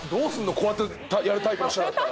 こうやってやるタイプの人だったら。